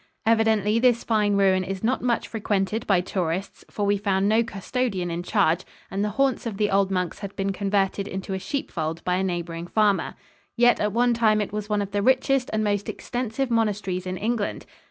Evidently this fine ruin is not much frequented by tourists, for we found no custodian in charge, and the haunts of the old monks had been converted into a sheepfold by a neighboring farmer. Yet at one time it was one of the richest and most extensive monasteries in England.